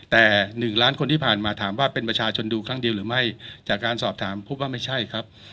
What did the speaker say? แต่๑ล้านคนที่ผ่านมาถามว่าเป็นประชาชนดูครั้งเดียวหรือไม่จากการสอบถามพบว่าไม่ใช่ครับ